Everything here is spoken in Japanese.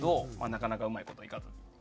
なかなかうまい事いかず。